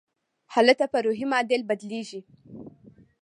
هلته پر روحي معادل بدلېږي.